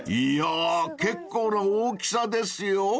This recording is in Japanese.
［いや結構な大きさですよ］